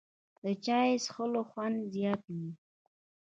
د چای څښلو خوند زیات وي